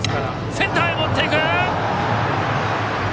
センターへ持っていく！